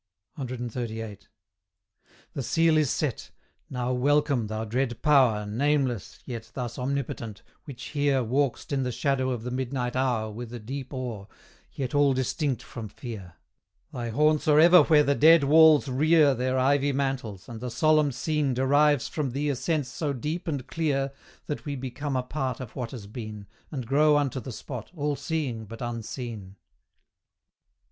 CXXXVIII. The seal is set. Now welcome, thou dread Power Nameless, yet thus omnipotent, which here Walk'st in the shadow of the midnight hour With a deep awe, yet all distinct from fear: Thy haunts are ever where the dead walls rear Their ivy mantles, and the solemn scene Derives from thee a sense so deep and clear That we become a part of what has been, And grow unto the spot, all seeing but unseen.